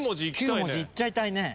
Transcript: ９文字いっちゃいたいね。